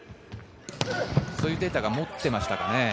そういうデータが持っていましたかね。